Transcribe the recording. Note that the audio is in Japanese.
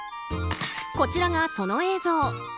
こちらがその映像。